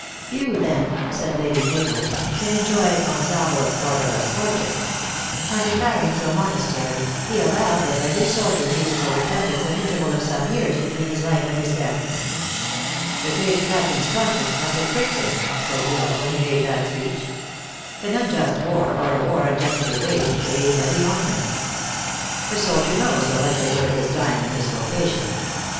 "Few, then," said Lady Mabel, "can enjoy Gon salvo of Cordova s fortune. On retiring to a monas tery, he avowed that every soldier needed for repent ance an interval of some years between his life and his death." "The great captain s conscience must have pricked him," said L Isle, " when he made that speech. An unjust war, or a war unjustly waged, lay heavy on him. A soldier knows the likelihood of his dying in his vocation.